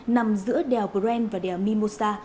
nằm giữa đèo grand và đèo mimosa